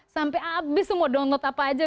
sampai habis semua download apa aja